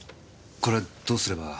これどうすれば？